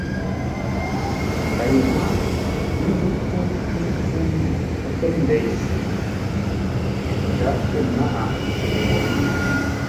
Pei náʼ, ə́ nzʉ́ʼtə́ ńzúʼ zə̂u yi ə́ pə́ ndei se!” Gháp kə̂ nâʼ mpfu wo.